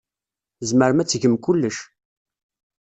Tzemrem ad tgem kullec.